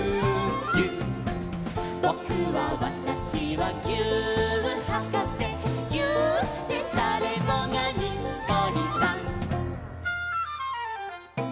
「ぼくはわたしはぎゅーっはかせ」「ぎゅーっでだれもがにっこりさん！」